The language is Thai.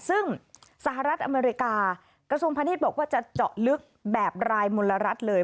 ซึ่งสหรัฐอเมริกากระทรวงพาณิชย์บอกว่าจะเจาะลึกแบบรายมลรัฐเลย